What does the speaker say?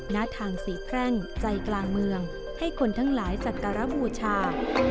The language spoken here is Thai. ณทางสีแพร่งใจกลางเมืองให้คนทั้งหลายสักการะบูชา